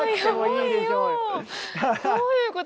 どういうこと？